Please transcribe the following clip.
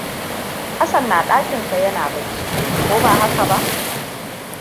Hassan na ɗakinsa yana bacci, ko ba haka ba?